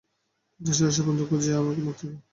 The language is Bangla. একটা সাহসী বন্ধু খুঁজে আমাকে মুক্তি দাও।